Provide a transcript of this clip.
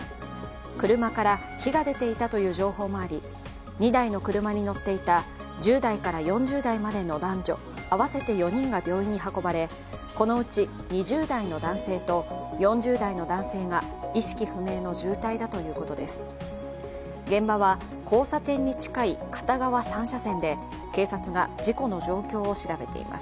車から火が出ていたという情報もあり２台の車に乗っていた１０代から４０代までの男女合わせて４人が病院に運ばれ、このうち２０代の男性と４０代の男性が意識不明の重体だということです。